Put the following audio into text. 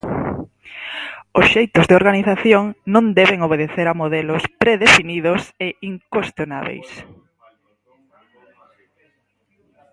Os xeitos de organización non deben obedecer a modelos predefinidos e incuestionábeis.